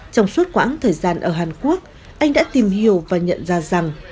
trong suốt quãng thời gian ở hàn quốc anh đã tìm hiểu và nhận ra rằng